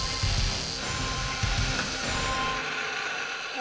お！